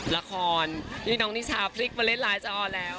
ละครนี่น้องนิชาพลิกมาเล่นไลน์จะออนแล้ว